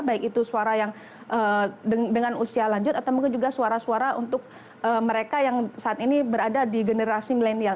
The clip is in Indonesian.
baik itu suara yang dengan usia lanjut atau mungkin juga suara suara untuk mereka yang saat ini berada di generasi milenial